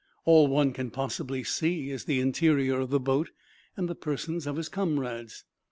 All one can possibly see is the interior of the boat and the persons of his comrades.